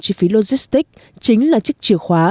chi phí logistic chính là chức chìa khóa